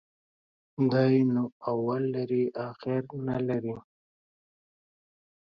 دى نو اول لري ، اخير نلري.